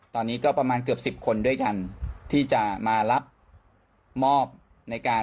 ตอนนี้ก็ประมาณเกือบ๑๐คนด้วยกันที่จะมารับมอบในการ